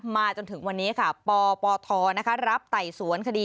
จนถึงวันนี้ค่ะปปทรับไต่สวนคดี